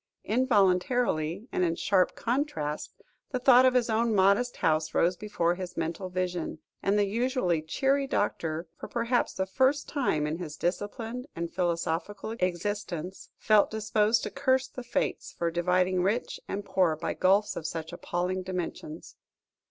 Involuntarily, and in sharp contrast, the thought of his own modest house rose before his mental vision, and the usually cheery doctor, for perhaps the first time in his disciplined and philosophical existence, felt disposed to curse the Fates, for dividing rich and poor by gulfs of such appalling dimensions.